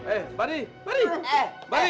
eh bari bari bari